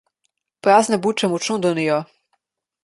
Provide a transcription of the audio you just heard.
Prazne buče močno donijo.